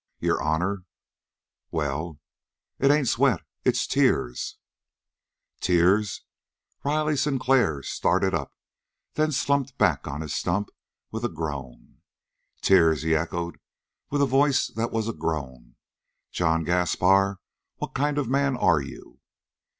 "Your honor." "Well?" "It ain't sweat. It's tears!" "Tears!" Riley Sinclair started up, then slumped back on his stump with a groan. "Tears!" he echoed, with a voice that was a groan. "John Gaspar, what kind of a man are you?"